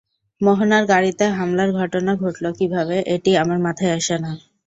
মোহনার গাড়িতে হামলার ঘটনা ঘটল কীভাবে এটি আমার মাথায় আসে না।